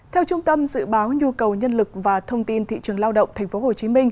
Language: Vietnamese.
theo trung tâm dự báo nhu cầu nhân lực và thông tin thị trường lao động tp hcm